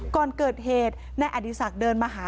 ก่อนเกิดเหตุแน่อดิษักษ์เดินมาหา